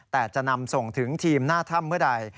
แต่จะนำส่งถึงทีมหน้าถ้ำเมื่อใด